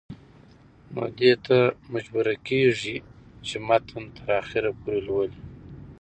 نو دې ته مجبوره کيږي چې متن تر اخره پورې لولي